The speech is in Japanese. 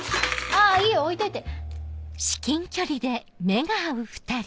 あいいよ置いといて。